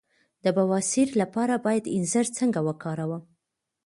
د بواسیر لپاره باید انځر څنګه وکاروم؟